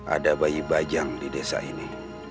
ada bayi bajang di desa ini